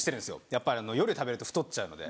やっぱり夜食べると太っちゃうので。